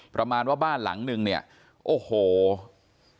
ประมาณว่าบ้านหลังนึงเนี่ยโอ้โห